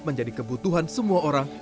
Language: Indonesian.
menjadi kebutuhan semua orang